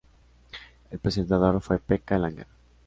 El presentador fue Pekka Langer.